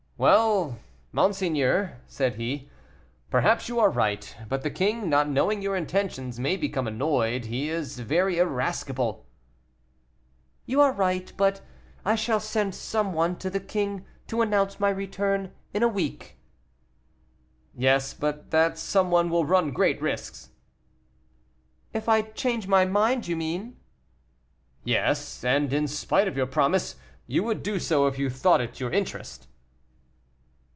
"Well, monseigneur," said he, "perhaps you are right, but the king, not knowing your intentions, may become annoyed; he is very irascible." "You are right, but I shall send some one to the king to announce my return in a week." "Yes, but that some one will run great risks." "If I change my mind, you mean." "Yes, and in spite of your promise, you would do so if you thought it your interest."